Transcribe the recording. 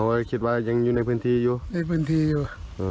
ก็คิดว่ายังอยู่ในพื้นที่อยู่ในพื้นที่อยู่